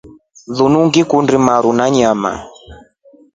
Linu ngikundi maru a nyama.